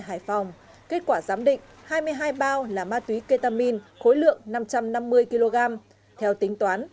hải phòng kết quả giám định hai mươi hai bao là ma túy ketamin khối lượng năm trăm năm mươi kg theo tính toán